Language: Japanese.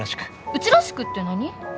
うちらしくって何？